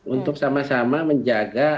untuk sama sama menjaga